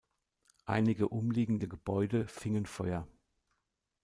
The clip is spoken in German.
Einige umliegende Gebäude fingen Feuer.